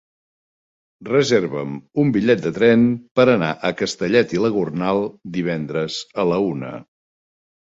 Reserva'm un bitllet de tren per anar a Castellet i la Gornal divendres a la una.